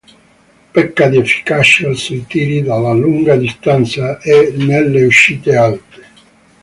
Pecca di efficacia sui tiri dalla lunga distanza e nelle uscite alte.